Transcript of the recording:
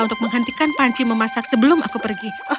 untuk menghentikan panci memasak sebelum aku pergi